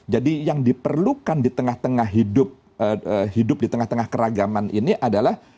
jadi yang diperlukan di tengah tengah hidup hidup di tengah tengah keragaman ini adalah